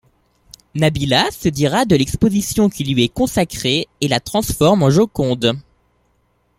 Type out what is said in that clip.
Nabilla se dira de l’exposition qui lui est consacrée et la transforme en Joconde.